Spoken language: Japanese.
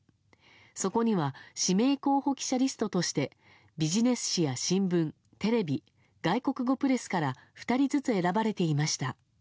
そこには指名候補者リストとしてビジネス誌や新聞、テレビ外国語プレスから２人ずつ選ばれていました。